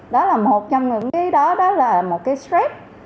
đó là một trong những cái đó đó là một cái stress